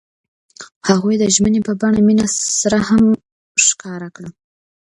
هغوی د ژمنې په بڼه مینه سره ښکاره هم کړه.